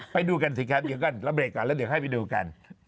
ไปดูกันสิครับเดี๋ยวก่อนเราเบรกก่อนแล้วเดี๋ยวให้ไปดูกัน